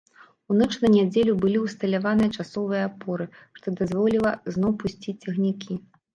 У ноч на нядзелю былі ўсталяваныя часовыя апоры, што дазволіла зноў пусціць цягнікі.